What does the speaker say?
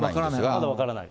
まだ分からない。